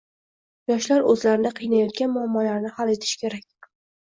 Yoshlar oʻzlarini qiynayotgan muammolarni hal etishi kerak